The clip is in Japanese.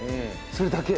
それだけ。